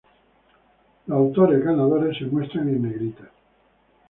Los autores ganadores se muestran en negrita.